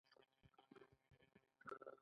په داسې وضعیت کې مبارزین باید ځانګړي اعمال وټاکي.